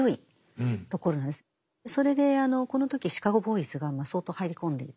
それでこの時シカゴ・ボーイズが相当入り込んでいた。